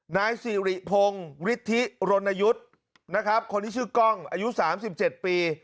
นายสิริพงศ์ฤทธิโรนยุทธ์คนที่ชื่อก้องอายุ๓๗ปี